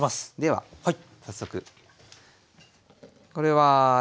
はい。